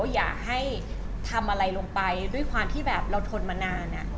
อย่าให้ทำอะไรลงไปด้วยความที่แบบเราทนมานาน